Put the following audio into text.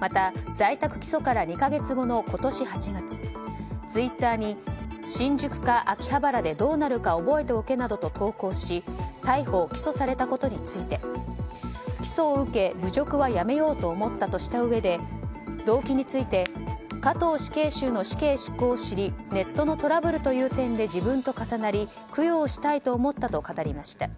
また、在宅起訴から２か月後の今年８月ツイッターに新宿か秋葉原でどうなるか覚えておけなどと投稿し逮捕・起訴されたことについて起訴を受け、侮辱はやめようと思ったとしたうえで動機について加藤死刑囚の死刑執行を知りネットのトラブルという点で自分と重なり供養したいと思ったと語りました。